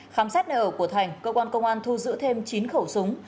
khám xét nơi ở của thành công an thu giữ thêm chín khẩu súng